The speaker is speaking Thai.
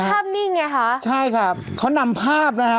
เค้ามันเป็นภาพนิ่งไงฮะใช่ครับเค้านำภาพนะฮะ